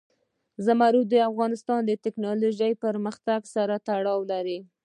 زمرد د افغانستان د تکنالوژۍ پرمختګ سره تړاو لري.